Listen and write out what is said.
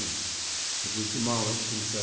It was demolished in 1799.